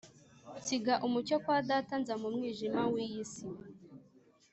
Nsiga umucyo kwa data nza mu mwijima w’iy’isi